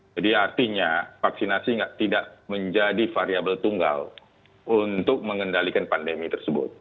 jadi artinya vaksinasi tidak menjadi variabel tunggal untuk mengendalikan pandemi tersebut